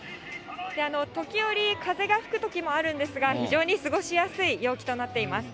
時折、風が吹くときもあるんですが、非常に過ごしやすい陽気となっています。